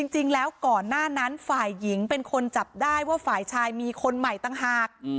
จริงแล้วก่อนหน้านั้นฝ่ายหญิงเป็นคนจับได้ว่าฝ่ายชายมีคนใหม่ต่างหาก